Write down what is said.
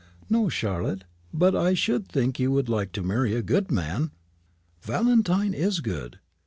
"No, Charlotte; but I should think you would like to marry a good man." "Valentine is good.